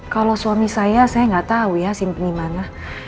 kalau suami saya saya gak tau ya simpeni mana